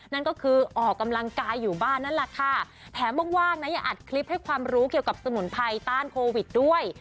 นั่นก็คือออกกำลังกายอยู่บ้านนั่นแหละค่ะแถมว่างนะยังอัดคลิปให้ความรู้เกี่ยวกับสมุนไพรต้านโควิดด้วย